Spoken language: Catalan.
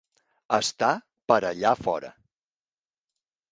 Està per allà fora.